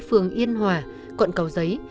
phường yên hòa quận cầu giấy